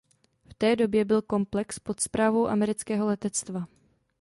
V té době byl komplex pod správou amerického letectva.